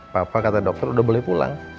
papa kata dokter udah boleh pulang